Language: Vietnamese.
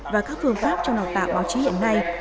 và các phương pháp trong đào tạo báo chí hiện nay